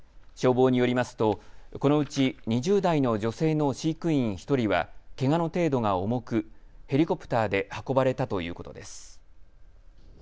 消防によりますとこのうち２０代の女性の飼育員１人はけがの程度が重くヘリコプターで運ばれたということです。